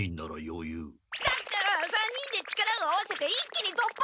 だったら３人で力を合わせて一気にとっぱ！